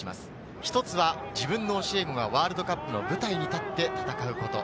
１つは自分の教え子がワールドカップの舞台に立って戦うこと。